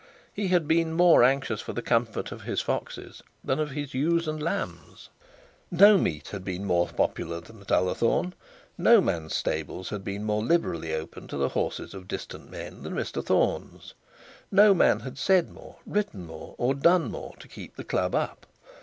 He had been more anxious for the comfort of his foxes than of his ewes and lambs. No meet had been more popular than Ullathorne; no man's stables had been more liberally open to the horses of distant men than Mr Thorne's; no man had said more, written more, or done more to keep the club up.